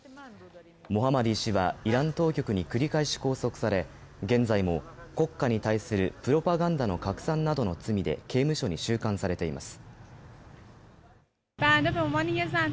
モハマディ氏はイラン当局に繰り返し拘束され現在も国家に対するプロパガンダの拡散などの罪で刑務所に収監されています。